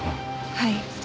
はい。